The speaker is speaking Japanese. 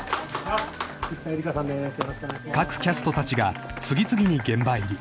［各キャストたちが次々に現場入り］